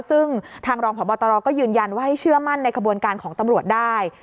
ซึ่งทางรองพบตรก็ยืนยันว่าให้เชื่อมั่นในขบวนการของตำรวจได้